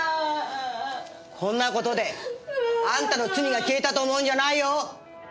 こんな事であんたの罪が消えたと思うんじゃないよ！